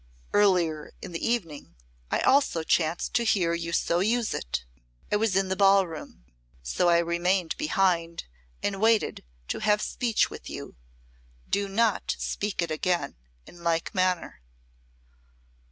Earlier in the evening I also chanced to hear you so use it; I was in the ball room. So I remained behind and waited to have speech with you. Do not speak it again in like manner."